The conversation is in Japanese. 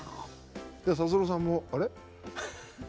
達郎さんもあれ？